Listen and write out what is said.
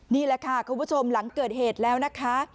นี่แหละค่ะคุณผู้ชมหลังเกิดเหตุแล้วนะคะ